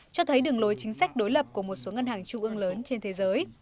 cho thấy đường lối chính sách đối lập của một số ngân hàng trung ương lớn trên thế giới